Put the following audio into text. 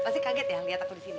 masih kaget ya lihat aku disini